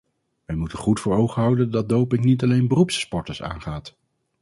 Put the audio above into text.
Wij moeten goed voor ogen houden dat doping niet alleen beroepssporters aangaat.